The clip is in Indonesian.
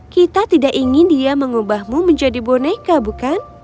kita tidak ingin dia mengubahmu menjadi boneka bukan